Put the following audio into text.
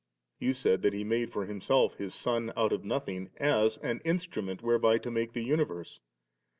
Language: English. You said that He made for Himself His Son out of nothing, as an instrument whereby to make the universe.